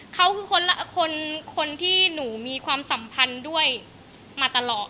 เขาคือคนที่หนูมีความสัมพันธ์ด้วยมาตลอด